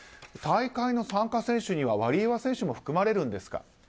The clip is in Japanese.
大会の参加選手にはワリエワ選手も含まれるんですか。